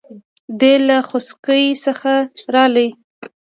دی له غوڅکۍ څخه رالی.